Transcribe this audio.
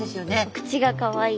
口がかわいい。